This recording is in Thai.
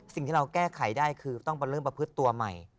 สิ่งที่เราแก้ไขได้คือต้องมาเริ่มประพฤติตัวใหม่